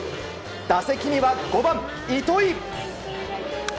打席には５番、糸井。